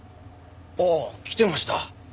ああ来てました。